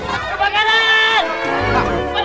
kebakanan kebakanan kebakanan